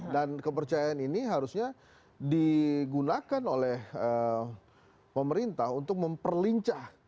dan kepercayaan ini harusnya digunakan oleh pemerintah untuk memperlincah